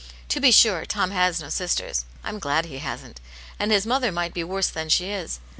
To be ^ure Tom has no sisters — Fm glad he hasn't — and his mother might be worse than she is.